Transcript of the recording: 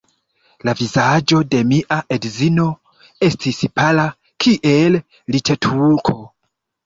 La vizaĝo de mia edzino estis pala kiel littuko.